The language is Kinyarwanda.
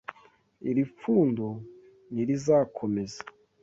Iri pfundo ntirizakomeza.